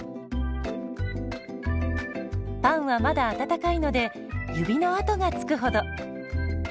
パンはまだ温かいので指の跡がつくほど。